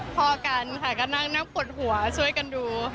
พอกันค่ะก็นั่งปวดหัวช่วยกันดู